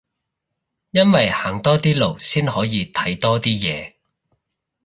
因為行多啲路先可以睇多啲嘢